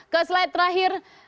ke slide terakhir